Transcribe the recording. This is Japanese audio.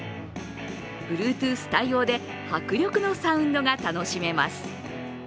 Ｂｌｕｅｔｏｏｔｈ対応で迫力のサウンドが楽しめます。